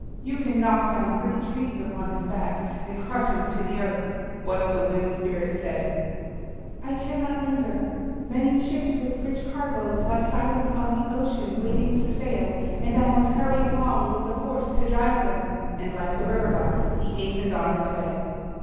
You can knock down great trees upon his back and crush him to the earth." But the Wind Spirit said, "I cannot linger. Many ships with rich cargoes lie silent on the ocean waiting to sail, and I must hurry along with the force to drive them." And like the River God he hastened on his way.